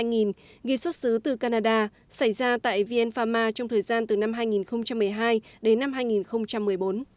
ghi xuất xứ từ canada xảy ra tại vn pharma trong thời gian từ năm hai nghìn một mươi hai đến năm hai nghìn một mươi bốn